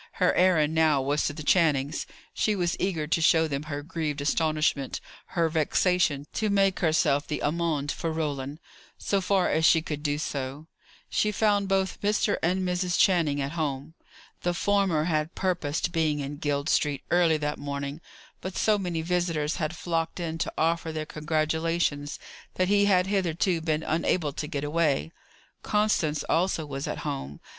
Her errand now was to the Channings. She was eager to show them her grieved astonishment, her vexation to make herself the amende for Roland, so far as she could do so. She found both Mr. and Mrs. Channing at home. The former had purposed being in Guild Street early that morning; but so many visitors had flocked in to offer their congratulations that he had hitherto been unable to get away. Constance also was at home.